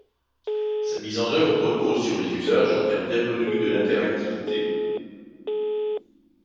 Sa mise en œuvre repose sur les usages en termes d'ergonomie de l'interactivité.